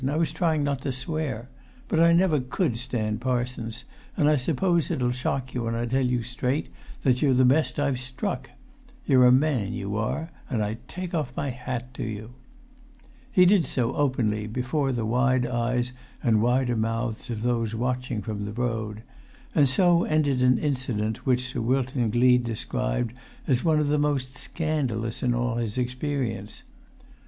I was trying not to swear. But I never could stand parsons, and I suppose it'll shock you when I tell you straight that you're the best I've struck! You're a man, you are, and I take off my hat to you." He did so openly before the wide eyes and wider mouths of those watching from the road; and so ended an incident which Sir Wilton Gleed described as one of the most scandalous in all his experience.